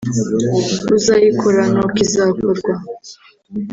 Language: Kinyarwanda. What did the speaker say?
uzayikora n’uko izakorwa